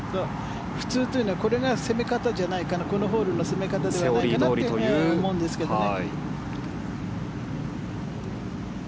普通というのはこれが攻め方じゃないからこのホールの攻め方ではないかなと思うんですけどね。